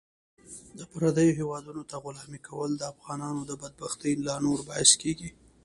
د پردیو هیوادونو ته غلامي کول د افغانانو د بدبختۍ لا نور باعث کیږي .